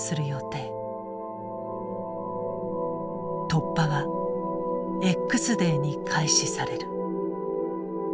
突破はＸデーに開始される。